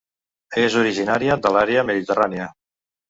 És originària de l'àrea mediterrània.